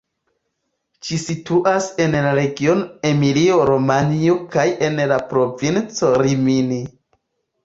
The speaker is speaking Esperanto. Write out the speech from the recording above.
Ĝi situas en la regiono Emilio-Romanjo kaj en la provinco Rimini.